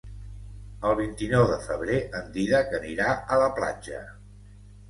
El vint-i-nou de febrer en Dídac anirà a la platja.